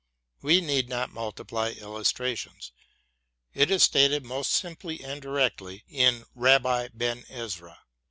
We need not multiply illustrations. It is stated most simply and directly in " Rabbi Ben Ezra."